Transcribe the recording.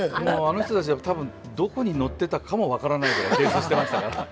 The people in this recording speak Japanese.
あの人たちは多分どこに乗ってたかも分からないぐらい泥酔してましたから。